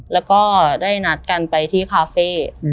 แล้วก็ได้นัดกันไปที่คาเฟ่